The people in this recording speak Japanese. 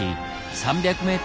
３０００ｍ？